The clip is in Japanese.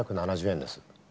７７０円です。